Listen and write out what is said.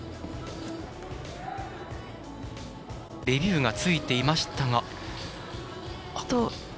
レビューがついていましたが。